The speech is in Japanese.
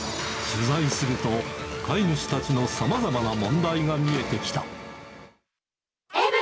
取材すると飼い主たちのさまざまな問題が見えてきた！